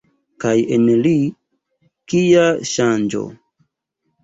Kaj en li, kia ŝanĝo!